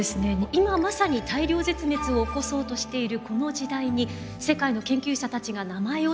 今まさに大量絶滅を起こそうとしているこの時代に世界の研究者たちが名前を付けようとしています。